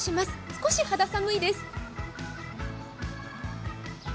少し肌寒いです。